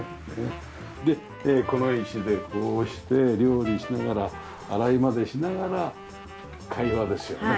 でこの位置でこうして料理しながら洗いまでしながら会話ですよね。